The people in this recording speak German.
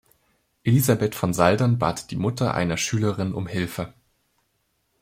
Elisabeth von Saldern bat die Mutter einer Schülerin um Hilfe.